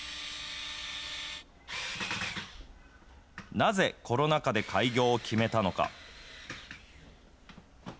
なぜコロナ禍で開業を決めたのか。